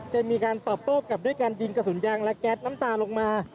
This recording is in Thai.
จะมีการตอบโต้กลับด้วยการยิงกระสุนยางและแก๊สน้ำตาลงมา